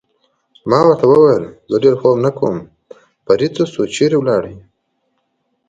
ما ورته وویل: زه ډېر خوب نه کوم، فرید چېرې څه شو؟